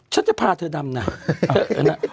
ฉันจะพาเธอดำนะ